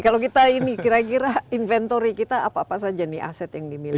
kalau kita ini kira kira inventory kita apa apa saja nih aset yang dimiliki